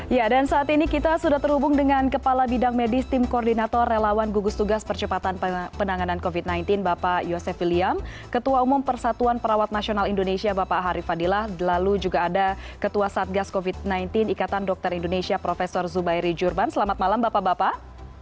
ya dan saat ini kita sudah terhubung dengan kepala bidang medis tim koordinator relawan gugus tugas percepatan penanganan covid sembilan belas bapak yosef william ketua umum persatuan perawat nasional indonesia bapak harif fadilah lalu juga ada ketua satgas covid sembilan belas ikatan dokter indonesia prof zubairi jurban selamat malam bapak bapak